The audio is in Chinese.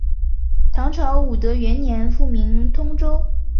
唐朝武德元年复名通州。